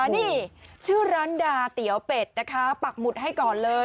นี่ชื่อร้านดาเตี๋ยวเป็ดนะคะปักหมุดให้ก่อนเลย